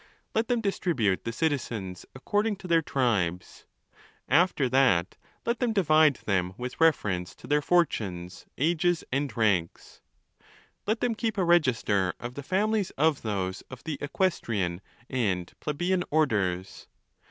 Let them distribute the citizens, accord ing to their tribes: after that let them divide them with reference to their fortunes, ages, and ranks. Let them keep a register of the families of those of the equestrian and ple beian orders.